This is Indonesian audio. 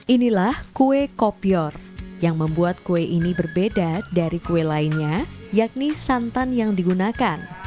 inilah kue kopior yang membuat kue ini berbeda dari kue lainnya yakni santan yang digunakan